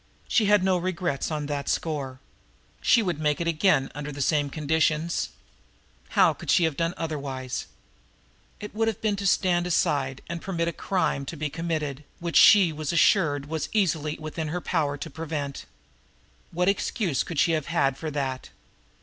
She had no regrets on that score. She would make it again under the same conditions. How could she have done otherwise? It would have been to stand aside and permit a crime to be committed which she was assured was easily within her power to prevent. What excuse could she have had for that?